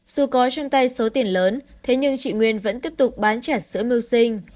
dù có trong tay số tiền lớn thế nhưng chị nguyên vẫn tiếp tục bán trả sữa mưu sinh